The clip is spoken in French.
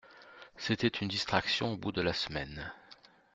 C'était une distraction au bout de la semaine.